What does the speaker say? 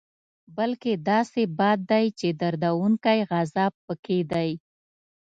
بلکې داسې باد دی چې دردوونکی عذاب پکې دی.